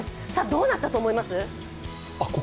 どうなったと思います？